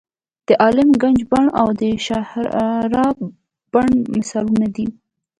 د عالم ګنج بڼ او د شهرارا بڼ مثالونه دي.